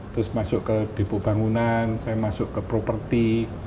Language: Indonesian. terus masuk ke bipo bangunan saya masuk ke property